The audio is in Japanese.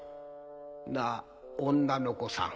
なぁ女の子さん